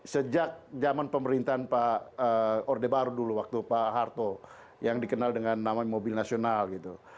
sejak zaman pemerintahan pak orde baru dulu waktu pak harto yang dikenal dengan nama mobil nasional gitu